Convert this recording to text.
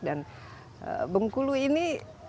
dan bungkulu ini